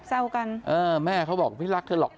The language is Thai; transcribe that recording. เอนแม่เค้าบอกไม่รักเธอหรอก